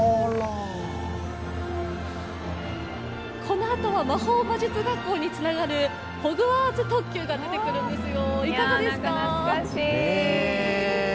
このあとは魔法魔術学校につながるホグワーツ特急が出てくるんですよ。